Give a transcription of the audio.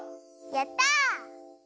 やった！